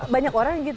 banyak orang yang gitu